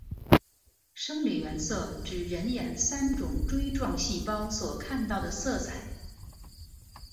生理原色指人眼三种锥状细胞所看到的色彩。